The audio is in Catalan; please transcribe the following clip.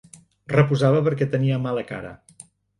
Reposava perquè tenia mala cara.